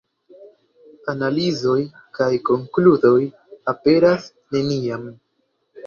Analizoj kaj konkludoj aperas neniam.